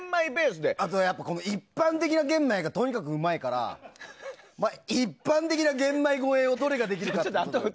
あと、一般的な玄米がとにかくうまいから一般的な玄米超えをどれができるかっていう。